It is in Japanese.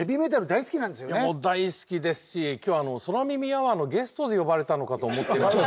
大好きですし今日は空耳アワーのゲストで呼ばれたのかと思っていたので。